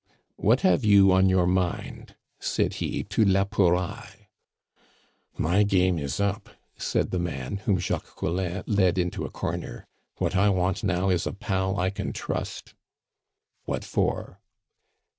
"What have you on your mind?" said he to la Pouraille. "My game is up," said the man, whom Jacques Collin led into a corner. "What I want now is a pal I can trust." "What for?"